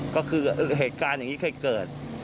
ก็คือเหตุการณ์อย่างนี้เคยเกิด